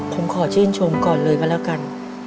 ผมขอชื่นชมก่อนเลยก็แล้วกัน